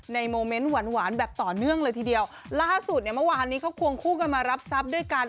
โมเมนต์หวานหวานแบบต่อเนื่องเลยทีเดียวล่าสุดเนี่ยเมื่อวานนี้เขาควงคู่กันมารับทรัพย์ด้วยกัน